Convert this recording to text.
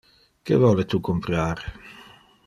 Que vole tu comprar?